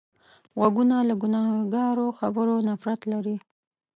غوږونه له ګناهکارو خبرو نفرت لري